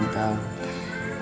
mendoakan kebahagiaan kamu